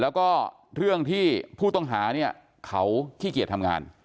แล้วก็เรื่องที่ผู้ต้องหาเนี่ยเขาขี้เกียจทำงาน